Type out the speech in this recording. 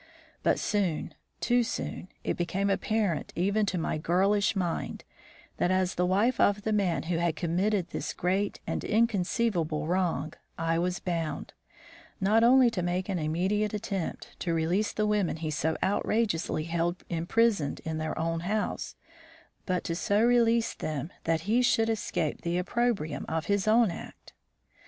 But soon, too soon, it became apparent even to my girlish mind, that, as the wife of the man who had committed this great and inconceivable wrong, I was bound, not only to make an immediate attempt to release the women he so outrageously held imprisoned in their own house, but to so release them that he should escape the opprobrium of his own act.